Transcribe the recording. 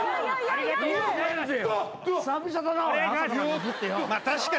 ありがとうございます。